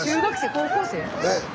高校生？